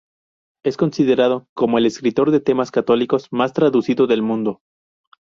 Es considerado como el escritor de temas católicos más traducido del mundo.